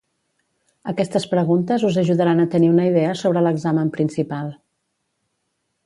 Aquestes preguntes us ajudaran a tenir una idea sobre l'examen principal.